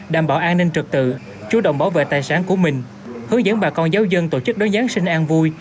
đảm bảo an ninh trực tự chủ động bảo vệ tài sản của mình hướng dẫn bà con giáo dân tổ chức đón giáng sinh an vui